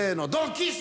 キス。